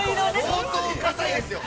◆相当かたいですよ